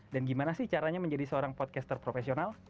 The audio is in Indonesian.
dan gimana sih caranya menjadi seorang podcaster profesional